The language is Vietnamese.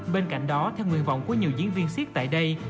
bên cạnh đó theo nguyên vọng của nhiều diễn viên xiết tại đây